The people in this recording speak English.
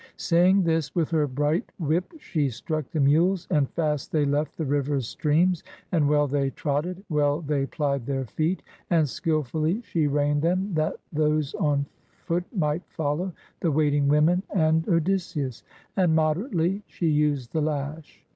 Saying this, with her bright whip she struck the mules, and fast they left the river's streams; and well they trot ted, well they plied their feet, and skillfully she reined them that those on foot might follow, — the waiting women and Odysseus, — and moderately she used the lash.